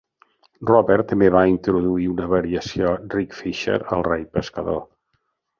Robert també va introduir una variació "Rich Fisher" a El Rei Pescador.